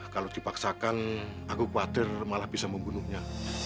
kalau dipaksakan aku khawatir malah bisa membunuhnya